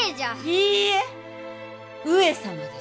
いいえ上様です。